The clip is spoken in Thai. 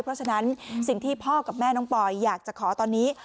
เพราะฉะนั้นสิ่งที่พ่อกับแม่น้องปอยอยากจะขอตอนนี้